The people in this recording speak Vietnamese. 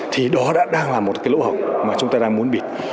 thì đó đã đang là một cái lỗ hổng mà chúng ta đang muốn bịt